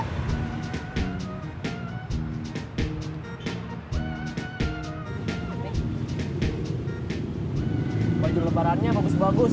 baju lebarannya bagus bagus